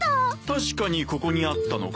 確かにここにあったのか？